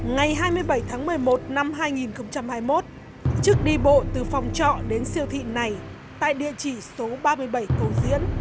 ngày hai mươi bảy tháng một mươi một năm hai nghìn hai mươi một trước đi bộ từ phòng trọ đến siêu thị này tại địa chỉ số ba mươi bảy cầu diễn